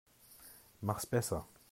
Mach's besser.